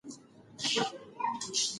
عالمه ښځه پخپل ژوند ډيره ښه پوهيږي